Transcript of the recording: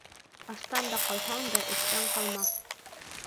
Аштан ҡалһаң да, эштән ҡалма.